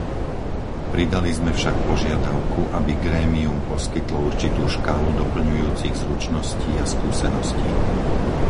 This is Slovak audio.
Pridali sme však požiadavku, aby grémium poskytlo určitú škálu doplňujúcich zručností a skúseností.